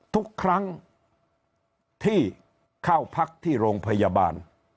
ทุกครั้งที่เข้าพักที่โรงพยาบาล